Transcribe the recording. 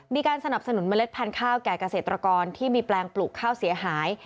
มีการสนับสนุนเมล็ดพันธุ์ข้าวแก่เกษตรกรที่มีแปลงปลูกข้าวเสียหาย